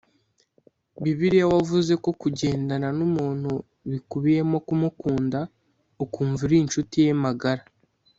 Bibiliya wavuze ko kugendana n umuntu bikubiyemo kumukunda ukumva uri inshuti ye magara